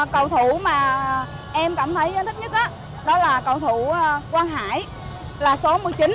cầu thủ mà em cảm thấy thích nhất đó là cầu thủ quang hải là số một mươi chín